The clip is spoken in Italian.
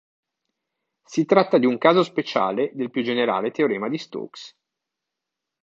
Si tratta di un caso speciale del più generale teorema di Stokes.